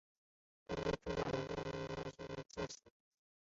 亦有说法认为他在道明寺之役即已战死。